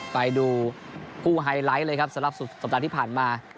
ไปดูคู่ไฮไลท์เลยครับสำหรับสุดสัปดาห์ที่ผ่านมา